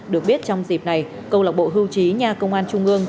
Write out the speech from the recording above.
được biết trong dịp này câu lạc bộ hưu trí nhà công an trung ương